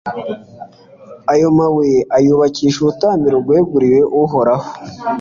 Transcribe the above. Ayo mabuye ayubakisha urutambiro rweguriwe Uhoraho